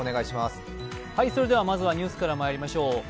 それではまずはニュースからまいりましょう。